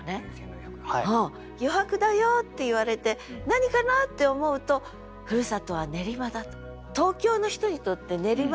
余白だよって言われて何かな？って思うと故郷は練馬だと。